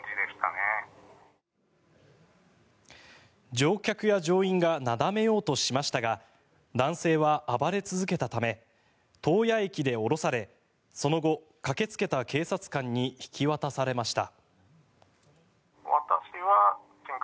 乗客や乗員がなだめようとしましたが男性は暴れ続けたため洞爺駅で降ろされその後、駆けつけた警察官に引き渡されました。